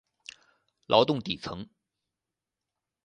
劳动底层